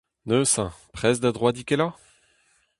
Neuze, prest da droadikellañ ?